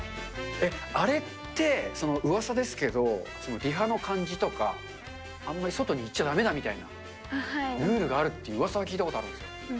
あれって、うわさですけど、リハの感じとか、あんまり外に言っちゃだめだみたいなルールがあるって、うわさは聞いたことあるんですけれども。